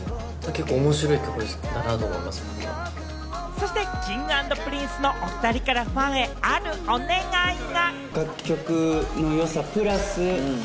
そしてＫｉｎｇ＆Ｐｒｉｎｃｅのおふたりからファンへあるお願いが。